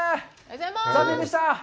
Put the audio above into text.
残念でした。